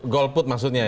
golput maksudnya ya